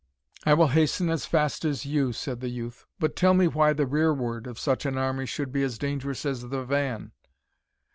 "I will hasten as fast as you," said the youth; "but tell me why the rearward of such an army should be as dangerous as the van?"